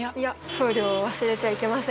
送料を忘れちゃいけません。